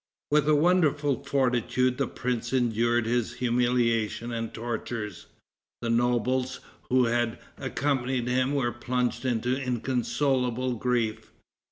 With wonderful fortitude the prince endured his humiliation and tortures. The nobles who had accompanied him were plunged into inconsolable grief.